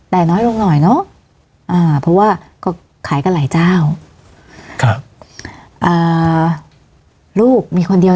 แต่น้อยลงหน่อยเนอะอ่าเพราะว่าก็ขายกันหลายเจ้าครับอ่าลูกมีคนเดียว